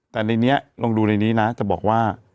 แต่ในนี้ลองดูในนี้นะจะบอกว่า